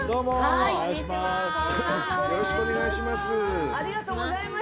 よろしくお願いします！